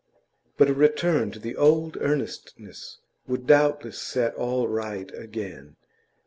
But a return to the old earnestness would doubtless set all right again.